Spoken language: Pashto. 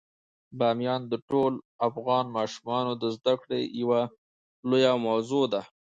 بامیان د ټولو افغان ماشومانو د زده کړې یوه لویه موضوع ده.